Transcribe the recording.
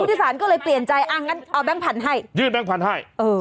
ที่สารก็เลยเปลี่ยนใจอ่ะงั้นเอาแบงค์พันธุ์ให้ยื่นแก๊งพันธุ์ให้เออ